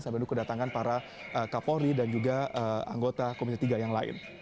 sambil menunggu kedatangan para kapolri dan juga anggota komisi tiga yang lain